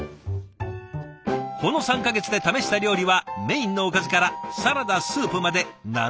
この３か月で試した料理はメインのおかずからサラダスープまで７０品以上。